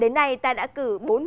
đây là một cơ hội easy to work